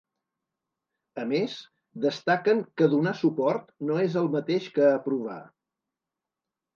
A més, destaquen que ‘donar suport’, no és el mateix que ‘aprovar’.